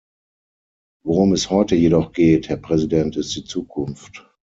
Worum es heute jedoch geht, Herr Präsident, ist die Zukunft.